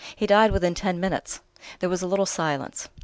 He died within ten minutes." There was a little silence....